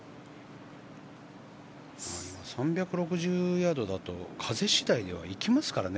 ３６０ヤードだと風次第では行きますよね。